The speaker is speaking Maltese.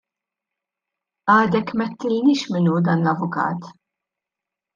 Għadek m'għidtilniex min hu dan l-avukat.